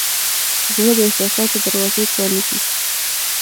زړه د احساساتو دروازې پرانیزي.